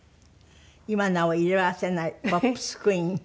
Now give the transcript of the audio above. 今なお色あせないポップス・クイーン。